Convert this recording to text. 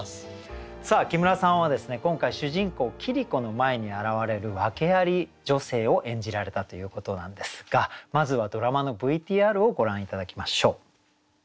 さあ木村さんはですね今回主人公桐子の前に現れる訳アリ女性を演じられたということなんですがまずはドラマのＶＴＲをご覧頂きましょう。